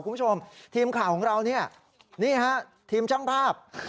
คุณผู้ชมทีมข่าวของเราเนี่ยนี่ฮะทีมช่างภาพ